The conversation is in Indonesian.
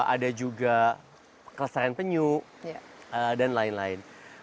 ada juga kelestarian penyu dan lain lain